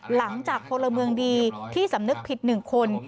หลังจากโปรเมืองดีที่สำนึกผิดหนึ่งคน